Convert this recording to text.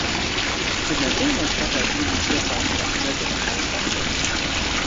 Tu nebrīnies, kāpēc neesi iecelts par džedu meistaru?